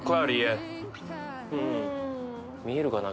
見えるかな。